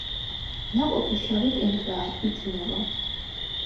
ნაყოფი შავი კენკრაა, იჭმევა.